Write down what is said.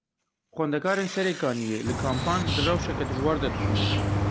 Xwendekarên Serê Kaniyê li kampan di rewşeke dijwar de dixwînin.